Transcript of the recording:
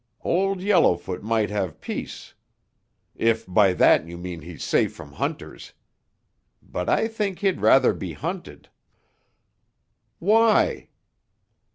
Old Yellowfoot might have peace if by that you mean he's safe from hunters. But I think he'd rather be hunted." "Why?"